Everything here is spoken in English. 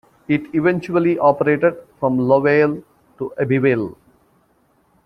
It eventually operated from Louvale to Abbeville.